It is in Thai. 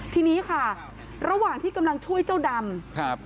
ทีนี้ค่ะระหว่างที่กำลังช่วยเจ้าดำครับ